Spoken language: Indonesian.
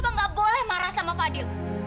papa tidak boleh marah dengan fadil